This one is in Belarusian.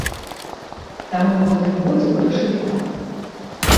Таму ў гэтым годзе вырашылі так.